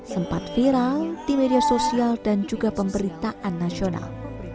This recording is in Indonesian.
sempat viral di media sosial dan juga pemberitaan nasional